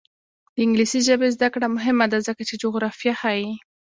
د انګلیسي ژبې زده کړه مهمه ده ځکه چې جغرافیه ښيي.